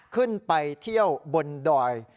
ขึ้นไปเที่ยวบนดอย